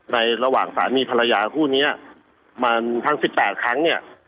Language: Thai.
ระหว่างสามีภรรยาคู่นี้มันทั้ง๑๘ครั้งเนี่ย